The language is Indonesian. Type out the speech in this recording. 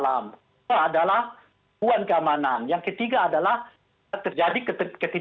bisa dilaksanakan setelah tahun dua ribu dua puluh empat